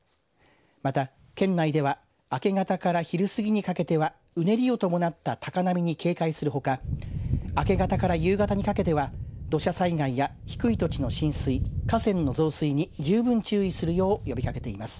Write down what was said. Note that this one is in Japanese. また、県内では明け方から昼過ぎにかけてはうねりを伴った高波に警戒するほか明け方から夕方にかけては土砂災害や低い土地の浸水河川の増水に十分注意するよう呼びかけています。